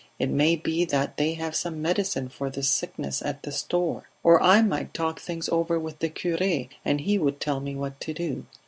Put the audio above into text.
"It may be that they have some medicine for this sickness at the store; or I might talk things over with the cure, and he would tell me what to do."